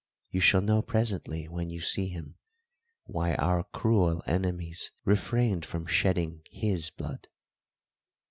You shall know presently, when you see him, why our cruel enemies refrained from shedding his blood."